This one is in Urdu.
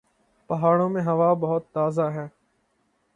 پہاڑوں میں ہوا بہت تازہ ہے۔